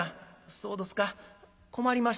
「そうどすか困りましたな」。